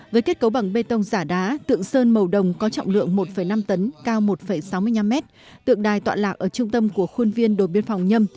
với kết cấu bằng bê tông giả đá tượng sơn màu đồng có trọng lượng một năm tấn cao một sáu mươi năm mét tượng đài tọa lạc ở trung tâm của khuôn viên đồn biên phòng nhâm